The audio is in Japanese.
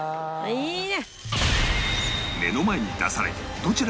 いいね！